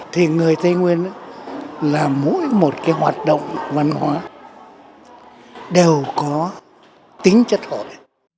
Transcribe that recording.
thì người tây nguyên là mỗi một cái hoạt động văn hóa đều có tính chất hội